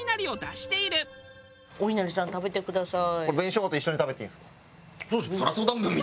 お稲荷さん食べてください。